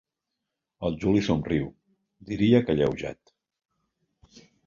El Juli somriu, diria que alleujat.